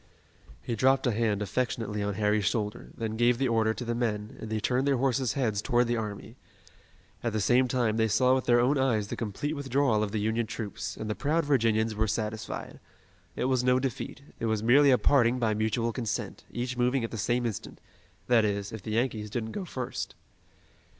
He dropped a hand affectionately on Harry's shoulder, then gave the order to the men and they turned their horses' heads toward the army. At the same time they saw with their own eyes the complete withdrawal of the Union troops, and the proud Virginians were satisfied. It was no defeat. It was merely a parting by mutual consent, each moving at the same instant, that is, if the Yankees didn't go first.